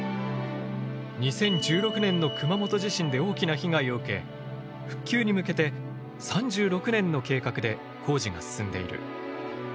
２０１６年の熊本地震で大きな被害を受け復旧に向けて３６年の計画で工事が進んでいる。